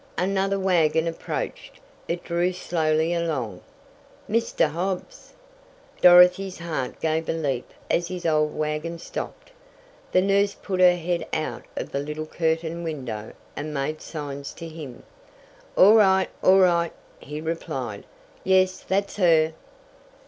Another wagon approached. It drew slowly along. Mr. Hobbs! Dorothy's heart gave a leap as his old wagon stopped! The nurse put her head out of the little curtained window and made signs to him. "All right! All right!" he replied. "Yes, that's her!"